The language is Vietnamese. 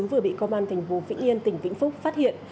vừa bị công an thành phố vĩnh yên tỉnh vĩnh phúc phát hiện